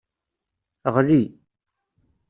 Ɣli.